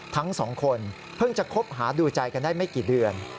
ทั้งสองคนเพิ่งจะคบหาดูใจกันได้ไม่กี่เดือน